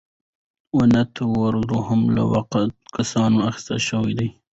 وُنت وُرث هم له واقعي کسانو اخیستل شوی و.